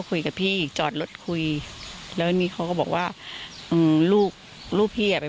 คุยกับพี่จอดรถคุยแล้วนี่เขาก็บอกว่าอืมลูกลูกพี่อ่ะไป